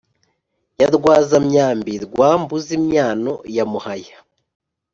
ya rwaza-myambi rwa mbuz-imyano, ya muhaya